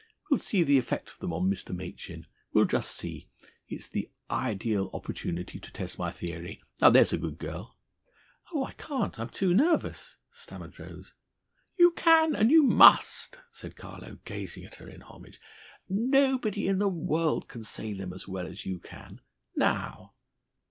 We'll see the effect of them on Mr. Machin. We'll just see. It's the ideal opportunity to test my theory. Now, there's a good girl!" "Oh! I can't. I'm too nervous," stammered Rose. "You can, and you must," said Carlo, gazing at her in homage. "Nobody in the world can say them as well as you can. Now!"